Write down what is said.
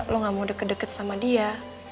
lo gak mau deket deket sama dia